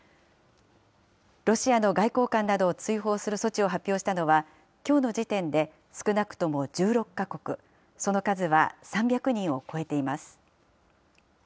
ロシアの外交官などを追放する措置を発表したのは、きょうの時点で少なくとも１６か国、その数は３００人を超えています。